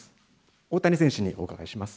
大谷選手にお伺いします。